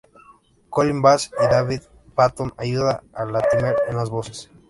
Colin Bass y David Paton ayudan a Latimer en las voces.